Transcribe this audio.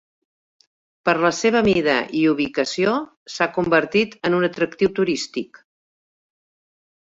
Per la seva mida i ubicació, s'ha convertit en un atractiu turístic.